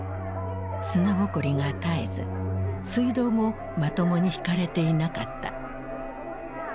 砂ぼこりが絶えず水道もまともに引かれていなかった。